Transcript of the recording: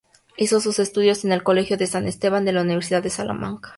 Hizo sus estudios en el Colegio de San Esteban, de la Universidad de Salamanca.